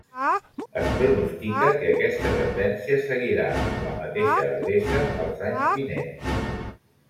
Es pronostica que aquesta tendència seguirà en la mateixa adreça els anys vinents.